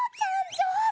上手。